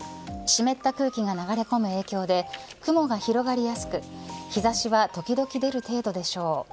湿った空気が流れ込む影響で雲が広がりやすく日差しは時々出る程度でしょう。